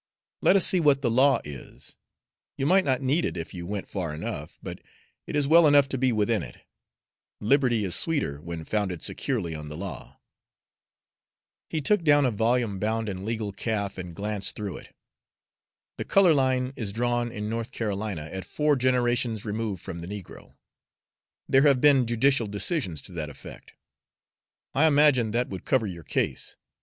Let us see what the law is; you might not need it if you went far enough, but it is well enough to be within it liberty is sweeter when founded securely on the law." He took down a volume bound in legal calf and glanced through it. "The color line is drawn in North Carolina at four generations removed from the negro; there have been judicial decisions to that effect. I imagine that would cover your case.